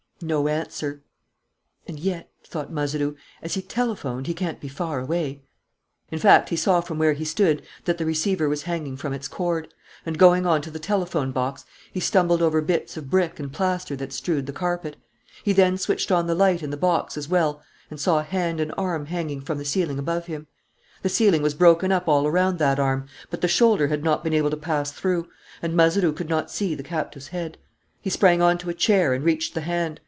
No answer. "And yet," thought Mazeroux, "as he telephoned, he can't be far away." In fact, he saw from where he stood that the receiver was hanging from its cord; and, going on to the telephone box, he stumbled over bits of brick and plaster that strewed the carpet. He then switched on the light in the box as well and saw a hand and arm hanging from the ceiling above him. The ceiling was broken up all around that arm. But the shoulder had not been able to pass through; and Mazeroux could not see the captive's head. He sprang on to a chair and reached the hand.